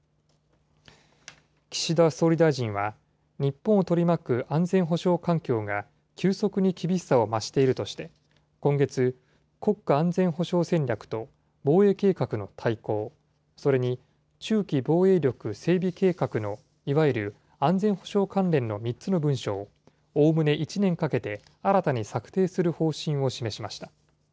岸田総理大臣は、日本を取り巻く安全保障環境が、急速に厳しさを増しているとして、今月、国家安全保障戦略と、防衛計画の大綱、それに中期防衛力整備計画のいわゆる安全保障関連の３つの文書を、おおむね１年かけて新たに策定する方針を示しました。